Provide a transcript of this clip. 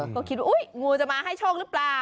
ก็คิดว่างูจะมาให้โชคหรือเปล่า